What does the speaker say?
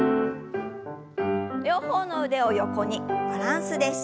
両方の腕を横にバランスです。